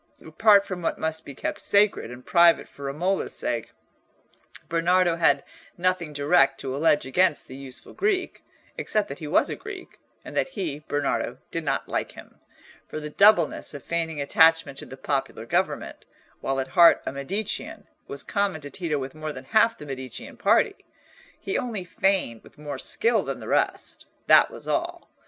Apart from what must be kept sacred and private for Romola's sake, Bernardo had nothing direct to allege against the useful Greek, except that he was a Greek, and that he, Bernardo, did not like him; for the doubleness of feigning attachment to the popular government, while at heart a Medicean, was common to Tito with more than half the Medicean party. He only feigned with more skill than the rest: that was all.